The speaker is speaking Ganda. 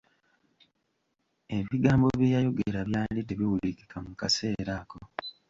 Ebigambo bye yayogera byali tebiwulikika mu kaseera ako.